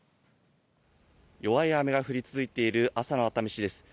弱い雨が降り続いている朝の熱海市です。